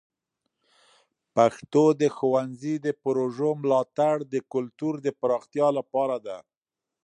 پښتو د ښونځي د پروژو ملاتړ د کلتور د پراختیا لپاره ده.